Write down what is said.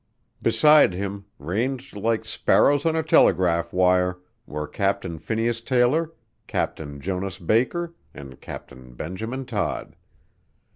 Beside him, ranged like sparrows on a telegraph wire, were Captain Phineas Taylor, Captain Jonas Baker, and Captain Benjamin Todd.